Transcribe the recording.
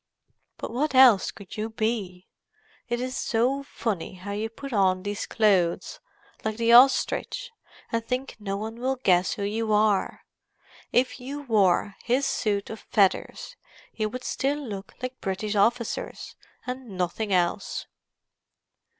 "But what else could you be? It is so funny how you put on these clothes, like the ostrich, and think no one will guess who you are. If you wore his suit of feathers you would still look like British officers and nothing else."